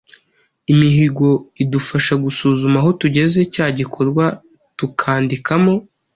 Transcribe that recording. imihigo idufasha gusuzuma aho tugeze cya gikorwa tukandikamo.